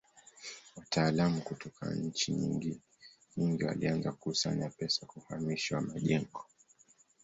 Wataalamu kutoka nchi nyingi walianza kukusanya pesa kwa uhamisho wa majengo.